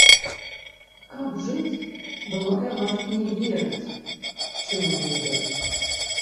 Каб жыць, бывае важней верыць, чым ведаць.